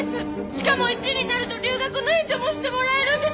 しかも１位になると留学の援助もしてもらえるんですよ！